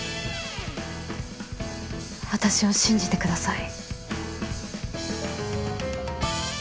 私を信じてください。